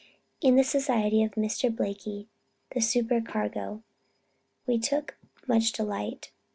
In the society of Mr. Blaikie, the supercargo, we took much delight.